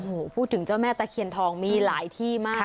โอ้โหพูดถึงเจ้าแม่ตะเคียนทองมีหลายที่มาก